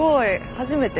初めて？